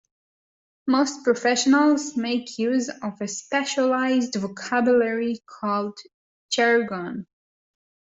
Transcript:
Most professionals make use of a specialised vocabulary called jargon.